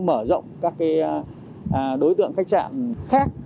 mở rộng các đối tượng khách sạn khác